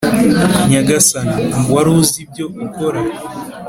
nyagasani, wari uzi ibyo ukora,